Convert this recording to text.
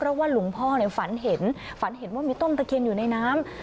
เพราะว่าหลวงพ่อฝันเห็นฝันเห็นว่ามีต้นตะเคียนอยู่ในน้ำ